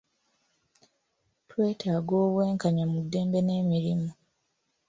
Twetaaga obw'enkanya mu ddembe n'emirimu.